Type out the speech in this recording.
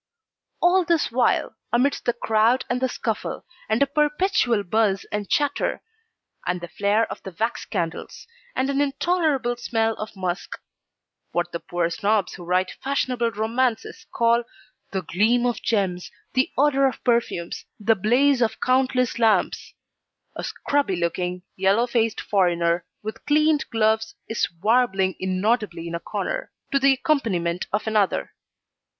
All this while, amidst the crowd and the scuffle, and a perpetual buzz and chatter, and the flare of the wax candles, and an intolerable smell of musk what the poor Snobs who write fashionable romances call 'the gleam of gems, the odour of perfumes, the blaze of countless lamps' a scrubby looking, yellow faced foreigner, with cleaned gloves, is warbling inaudibly in a corner, to the accompaniment of another.